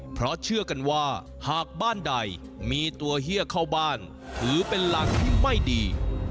เพราะเชื่อกันว่าหากบ้านใดมีตัวเฮียเข้าบ้านถือเป็นรังที่ไม่ดี